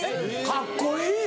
カッコいい！